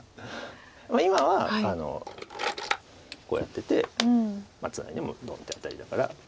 今はこうやっててツナいでもノビてアタリだから。